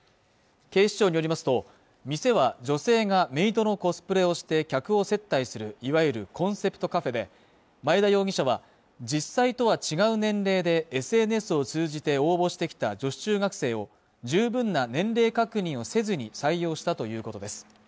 警視庁によりますと店は女性がメイドのコスプレをして客を接待するいわゆるコンセプトカフェで前田容疑者は実際とは違う年齢でＳＮＳを通じて応募してきた女子中学生を十分な年齢確認をせずに採用したということです